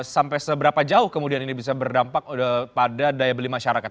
sampai seberapa jauh kemudian ini bisa berdampak pada daya beli masyarakat